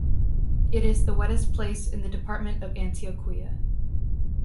It is the wettest place in the department of Antioquia.